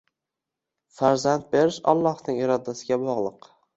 Farzand berish Allohning irodasiga bog‘liq.